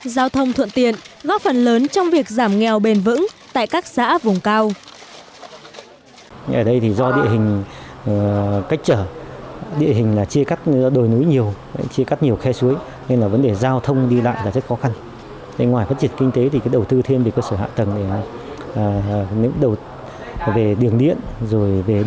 giao thông thuận tiện góp phần lớn trong việc giảm nghèo bền vững tại các xã vùng cao